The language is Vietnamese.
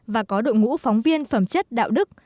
và có đội ngũ phóng viên phẩm chất đạo đức